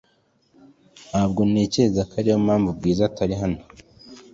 Ntabwo ntekereza ko ariyo mpamvu Bwiza atari hano .